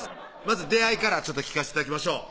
まず出会いから聞かせて頂きましょう